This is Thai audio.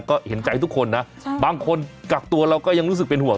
ก็เห็นใจทุกคนนะบางคนกักตัวเราก็ยังรู้สึกเป็นห่วง